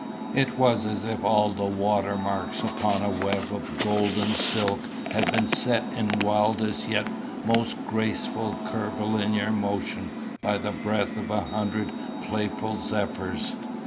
It was as if all the water marks upon a web of golden silk had been set in wildest yet most graceful curvilinear motion by the breath of a hundred playful zephyrs.